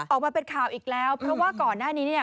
ออกมาเป็นข่าวอีกแล้วเพราะว่าก่อนหน้านี้เนี่ย